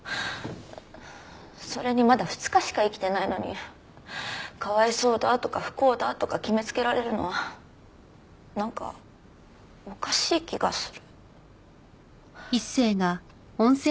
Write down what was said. それにまだ２日しか生きてないのにかわいそうだとか不幸だとか決めつけられるのはなんかおかしい気がする。